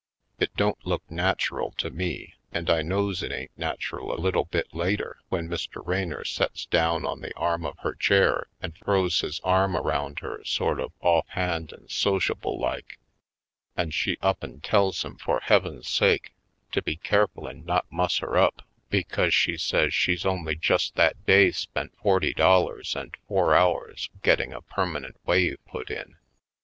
It don't look natural to me and I knows it ain't natural a little bit later when Mr. Raynor sets down on the arm of her chair and throws his arm around her sort of offhand and sociable like, and she up and tells him for Heaven's sake to be careful and not muss her up because she 56 /. Poindextevy Colored says she's only just that day spent forty dol lars and four hours getting a permanent wave put in.